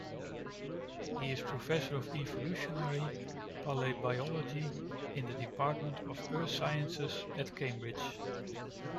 He is professor of evolutionary palaeobiology in the Department of Earth Sciences at Cambridge.